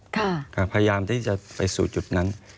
พยายามที่จะไปสู่จุดนั้น